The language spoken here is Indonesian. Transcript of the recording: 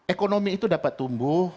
ekonomi itu dapat tumbuh